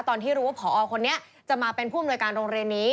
ตอนที่รู้ว่าผอคนนี้จะมาเป็นผู้อำนวยการโรงเรียนนี้